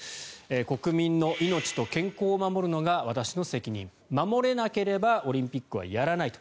国民の命と健康を守るのが私の責任守れなければオリンピックはやらないと。